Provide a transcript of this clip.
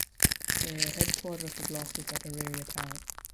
The headquarter of the block is at Araria town.